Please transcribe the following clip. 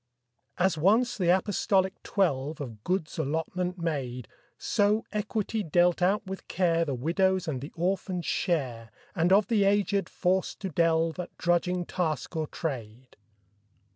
As once the apostolic twelve Of goods allotment made, So equity dealt out with care The widow's and the orphan's share, And of the aged forced to delve At drudging task or trade.